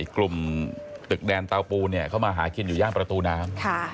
กลุ่มตึกแดนเตาปูเข้ามาหากินอยู่ย่านประตูน้ำ